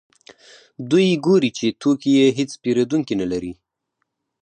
دوی ګوري چې توکي یې هېڅ پېرودونکي نلري